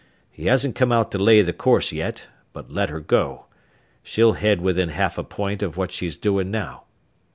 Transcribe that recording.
He hasn't come out to lay the course yet, but let her go. She'll head within half a point of what she's doin' now.